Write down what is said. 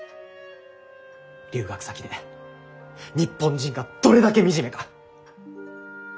留学先で日本人がどれだけ惨めか！